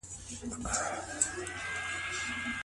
دواړه بايد ولي خپل ښه عادتونه وپېژني؟